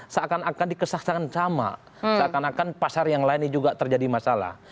seakan akan dikesahkan sama seakan akan pasar yang lainnya juga terjadi masalah